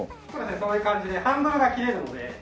そういう感じでハンドルが切れるので。